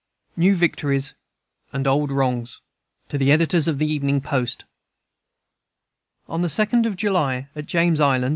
NEW VICTORIES AND OLD WRONGS To the Editors of the Evening Post: On the 2d of July, at James Island, S.